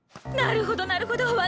なるほどなるほど！